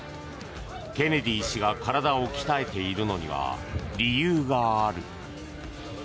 ケネディ氏が体を鍛えているのには理由がある。